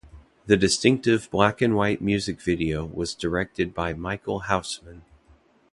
The distinctive black-and-white music video was directed by Michael Haussman.